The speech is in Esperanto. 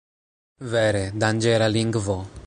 Vere, danĝera lingvo!